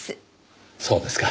そうですか。